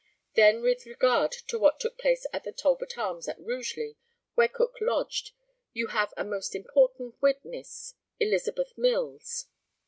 Then with regard to what took place at the Talbot Arms, at Rugeley, where Cook lodged, you have a most important witness Elizabeth Mills.